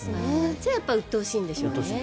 じゃあうっとうしいんでしょうね。